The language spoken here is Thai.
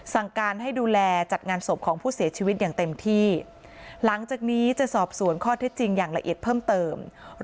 สั่งการให้ดูแลจัดงานศพของผู้เสียชีวิตอย่างเต็มที่หลังจากนี้จะสอบสวนข้อเท็จจริงอย่างละเอียดเพิ่มเติม